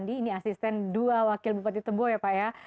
ini asisten dua wakil bupati tebo ya pak ya